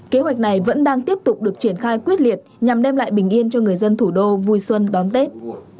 kế hoạch này vẫn đang tiếp tục được triển khai quyết liệt nhằm đem lại bình yên cho người dân thủ đô vui xuân đón tết